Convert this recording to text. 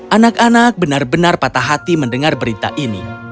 anak anak benar benar patah hati mendengar berita ini